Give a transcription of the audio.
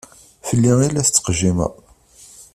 Fell-i i la tettqejjimeḍ?